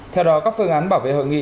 theo đó các phương án bảo vệ hội nghị